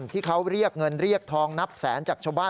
ที่เขาเรียกเงินเรียกทองนับแสนจากชาวบ้าน